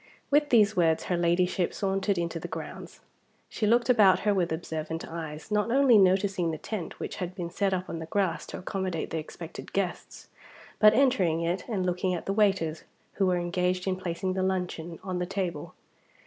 With these words, her Ladyship sauntered into the grounds. She looked about her with observant eyes; not only noticing the tent which had been set up on the grass to accommodate the expected guests, but entering it, and looking at the waiters who were engaged in placing the luncheon on the table.